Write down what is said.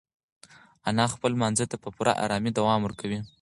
انا خپل لمانځه ته په پوره ارامۍ دوام ورکوي.